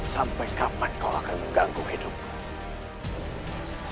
sampai kapan kau akan mengganggu hidup